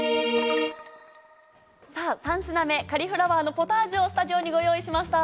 ３品目、カリフラワーのポタージュをスタジオにご用意しました。